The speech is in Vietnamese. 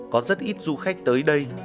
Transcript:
có rất ít du khách tới đây